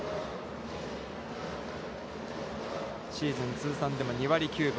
シーズン通算でも、２割９分。